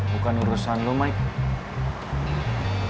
bukan urusan lo mike